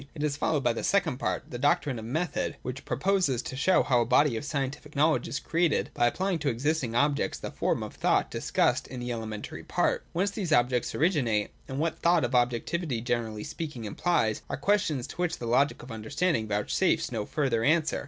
It is followed by the second part, the doctrine of Method, which proposes to show how a body of scientific knowledge is created by applying to existing objects the forms of thought discussed in the elementary part. Whence these objects originate, and what the thought of objectivity generally speaking implies, are questions to which the Logic of Understanding vouchsafes no further answer.